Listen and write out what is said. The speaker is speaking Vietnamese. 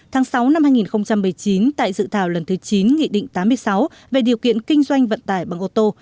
tháng sáu năm hai nghìn một mươi chín tại dự thảo lần thứ chín nghị định tám mươi sáu về điều kiện kinh doanh vận tải bằng ô tô